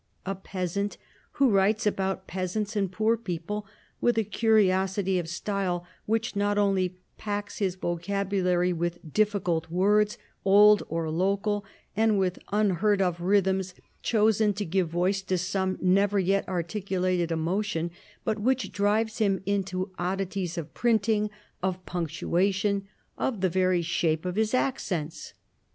A peasant, who writes about peasants and poor people, with a curiosity of style which not only packs his vocabulary with difficult words, old or local, and with unheard of rhythms, chosen to give voice to some never yet articulated emotion, but which drives him into oddities of printing, of punctuation, of the very shape of his accents!